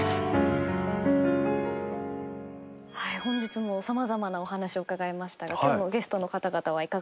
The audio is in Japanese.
はい本日も様々なお話を伺いましたが今日のゲストの方々はいかがでしたか？